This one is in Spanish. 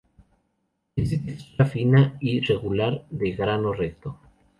Es de textura fina y regular, de grano recto.